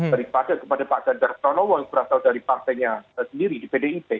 daripada kepada pak ganjar pranowo yang berasal dari partainya sendiri di pdip